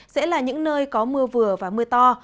sẽ là những nơi có mưa vừa và mưa to